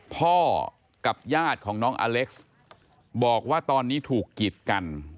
พ่อกับญาติของน้องอเล็กซ์บอกว่าตอนนี้ถูกกีดกัน